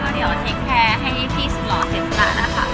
แล้วเดี๋ยวเทคแคร์ให้พี่สุดหลอดเห็นประมาณนั้นค่ะ